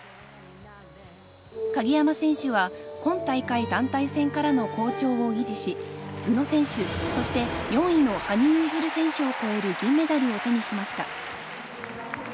鍵山選手は今大会団体戦からの好調を維持し宇野選手、そして４位の羽生結弦選手を超える銀メダルを手にしました。